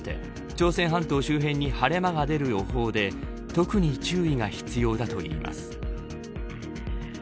朝鮮半島周辺に晴れ間が出る予報で特に注意が必要だといいます。